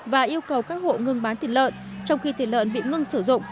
và yêu cầu các hộ ngừng bán thịt lợn trong khi thịt lợn bị ngừng sử dụng